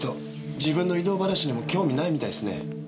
自分の異動話にも興味ないみたいですね。